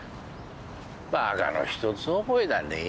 バカの一つ覚えだねぇ。